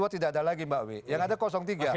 satu dua tidak ada lagi mbak wi yang ada tiga oke